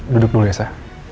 duduk dulu ya sa